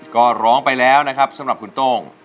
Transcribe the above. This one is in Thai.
ก็ร้องไปแล้วนะครับสำหรับคุณโต้ง